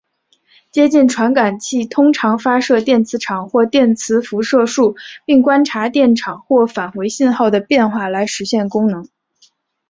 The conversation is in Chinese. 接近传感器通常发射电磁场或电磁辐射束并观察电场或返回信号的变化来实现功能。